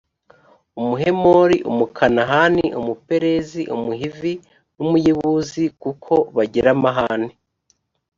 umuhemori, umukanahani, umuperezi, umuhivi n’umuyebuzikuko bagira amahane,